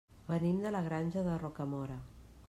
Venim de la Granja de Rocamora.